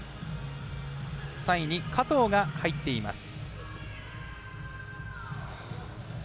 ３位に加藤が入っています。